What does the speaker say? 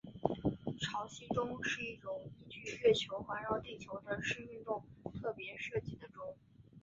潮汐钟是一种依据月球环绕地球的视运动特别设计的钟。